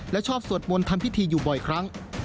และชอบสวดมนต์ทำพิธีอยู่บ่อยครั้ง